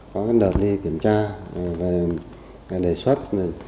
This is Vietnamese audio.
có đợt đi kiểm tra đề xuất